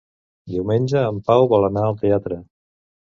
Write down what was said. Diumenge en Pau vol anar al teatre.